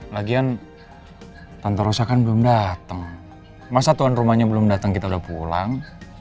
lagian tante rosa kan belum dateng masa tuan rumahnya belum dateng kita udah pulang